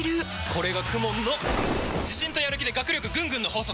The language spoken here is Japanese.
これがＫＵＭＯＮの自信とやる気で学力ぐんぐんの法則！